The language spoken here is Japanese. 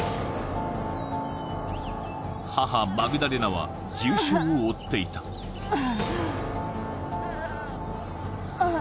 母マグダレナは重傷を負っていたうっ